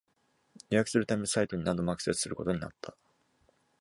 予約するためサイトに何度もアクセスすることになった